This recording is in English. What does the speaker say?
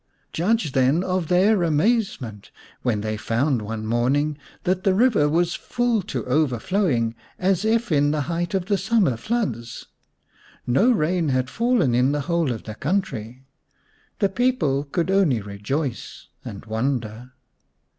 Judge then of their amazement when they found one morning that the river was full to overflowing as if in the height of the summer floods. No rain had fallen in the whole of the country ; the people could only rejoice and wonder.